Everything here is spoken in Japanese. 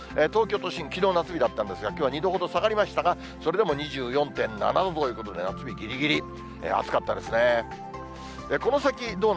東京都心、きのう夏日だったんですが、きょうは２度ほど下がりましたが、それでも２４．７度ということで、夏日ぎりぎり。